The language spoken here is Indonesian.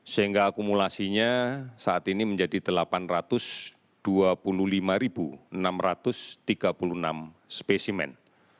sehingga akumulasinya saat ini menjadi delapan ratus dua puluh lima enam ratus tiga puluh enam spesimen